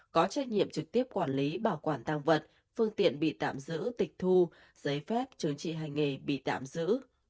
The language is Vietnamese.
có trách nhiệm trực tiếp quản lý bảo quản tăng vật phương tiện bị tạm giữ tịch thu giấy phép chứng trị hành nghề bị tạm giữ